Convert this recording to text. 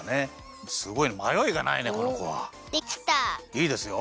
いいですよ。